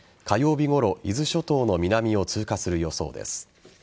日ごろ、伊豆諸島の南を通過する予想です。